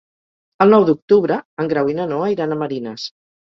El nou d'octubre en Grau i na Noa iran a Marines.